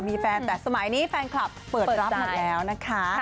มีแฟนแต่สมัยนี้แฟนคลับเปิดรับหมดแล้วนะคะ